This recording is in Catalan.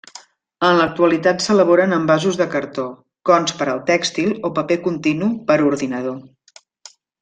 En l'actualitat s'elaboren envasos de cartó, cons per al tèxtil o paper continu per ordinador.